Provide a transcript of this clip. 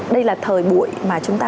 đây là thời buổi mà chúng ta